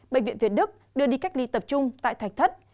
bệnh viện việt đức đưa đi cách ly tập trung tại thạch thất